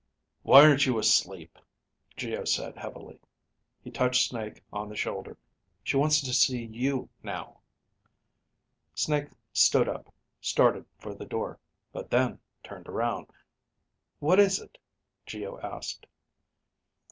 "Why aren't you asleep?" Geo said heavily. He touched Snake on the shoulder. "She wants to see you now." Snake stood up, started for the door, but then turned around. "What is it?" Geo asked.